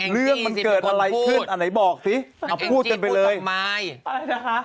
เรื่องมันเกิดอะไรขึ้นอ่ะไหนบอกสิอ่ะพูดเจ็บไปเลยอะไรนะคะ